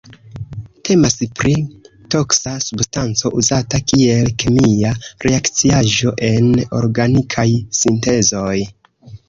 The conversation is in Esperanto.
Temas pri toksa substanco uzata kiel kemia reakciaĵo en organikaj sintezoj.